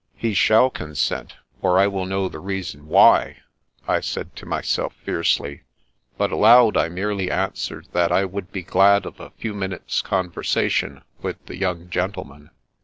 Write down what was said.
" He shall consent, or i will know the reason why," I said to myself fiercely; but aloud I merely answered that I would be glad of a few minutes' conversation with the young gentleman.